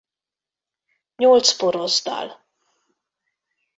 Nyolc porosz dal.